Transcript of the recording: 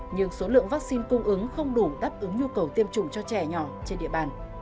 nhưng số lượng vaccine cung ứng không đủ đáp ứng nhu cầu tiêm chủng cho trẻ nhỏ trên địa bàn